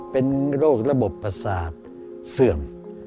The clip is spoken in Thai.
เป็นโรคระบบประสาทเสื่อม